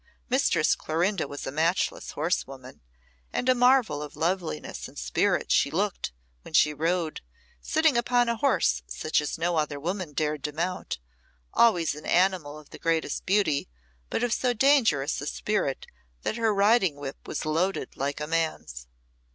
Mistress Clorinda was a matchless horsewoman, and a marvel of loveliness and spirit she looked when she rode, sitting upon a horse such as no other woman dared to mount always an animal of the greatest beauty, but of so dangerous a spirit that her riding whip was loaded like a man's.